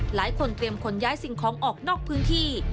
เตรียมขนย้ายสิ่งของออกนอกพื้นที่